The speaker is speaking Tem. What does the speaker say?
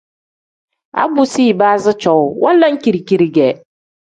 A bu si ibaazi cowuu wanlam kiri-kiri ge.